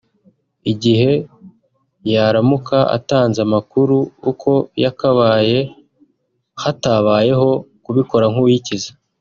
igihe yaramuka atanze amakuru uko yakabaye hatabayeho kubikora nk’uwikiza